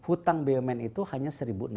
utang bumn itu hanya satu enam ratus